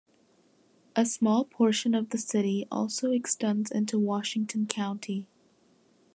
A small portion of the city also extends into Washington County.